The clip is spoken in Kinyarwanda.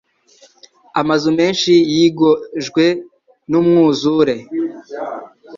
Amazu menshi yogejwe numwuzure.